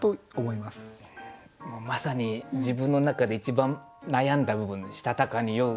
まさに自分の中で一番悩んだ部分で「したたかに酔う」